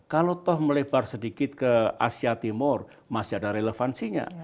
kalau toh melebar sedikit ke asia timur masih ada relevansinya